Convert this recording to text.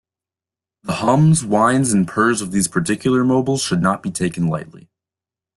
The hums, whines and purrs of these particular 'mobiles should not be taken lightly.